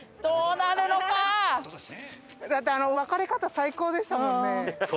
だってあの別れ方最高でしたもんね。